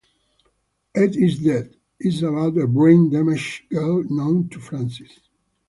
"Ed Is Dead" is about a brain-damaged girl known to Francis.